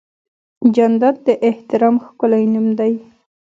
جانداد د احترام ښکلی نوم دی.